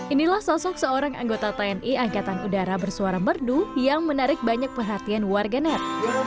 inilah sosok seorang anggota tni angkatan udara bersuara merdu yang menarik banyak perhatian warganet